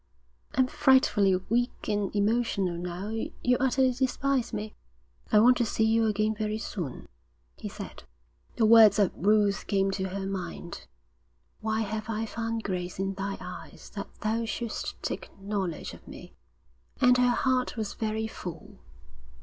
'I'm frightfully weak and emotional now. You'll utterly despise me.' 'I want to see you again very soon,' he said. The words of Ruth came to her mind: Why have I found grace in thine eyes, that thou shouldst take knowledge of me, and her heart was very full.